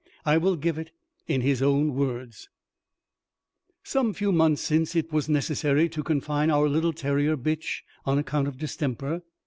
I will give it in his own words: "Some few months since it was necessary to confine our little terrier bitch, on account of distemper.